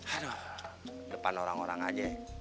aduh depan orang orang aja